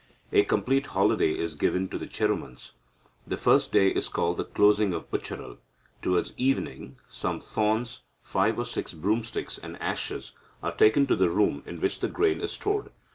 A complete holiday is given to the Cherumans. The first day is called the closing of ucharal. Towards evening some thorns, five or six broomsticks, and ashes, are taken to the room in which the grain is stored.